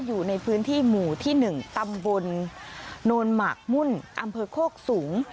อยู่ในพื้นที่หมู่ที่๑ตำบลโนนหมากมุ่นอำเภอโคกสูง